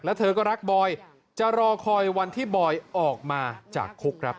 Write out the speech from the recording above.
แล้วเธอก็รักบอยจะรอคอยวันที่บอยออกมาจากคุกครับ